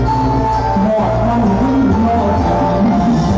เพลง